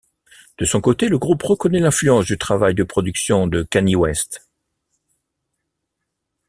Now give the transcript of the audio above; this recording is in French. De son côté le groupe reconnaît l'influence du travail de production de Kanye West.